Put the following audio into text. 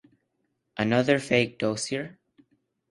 Another Fake Dossier!